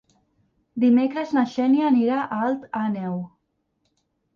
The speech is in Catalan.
Dimecres na Xènia anirà a Alt Àneu.